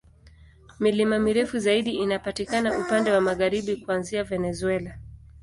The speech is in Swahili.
Milima mirefu zaidi inapatikana upande wa magharibi, kuanzia Venezuela.